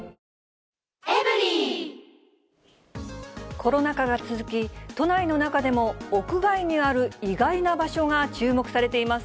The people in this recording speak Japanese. コロナ禍が続き、都内の中でも、屋外にある意外な場所が注目されています。